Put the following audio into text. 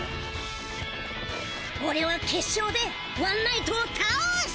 オレは決勝でワンナイトをたおーす！